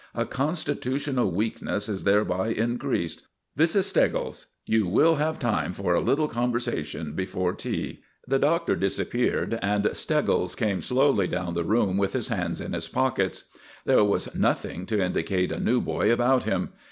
A constitutional weakness is thereby increased. This is Steggles. You will have time for a little conversation before tea." The Doctor disappeared, and Steggles came slowly down the room with his hands in his pockets. There was nothing to indicate a new boy about him.